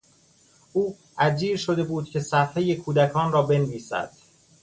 او اجیر شده بود که صفحهی کودکان را بنویسد.